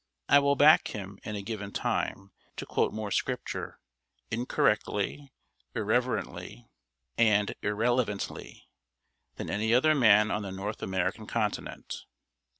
I will "back" him in a given time to quote more Scripture, incorrectly, irreverently, and irrelevantly, than any other man on the North American continent.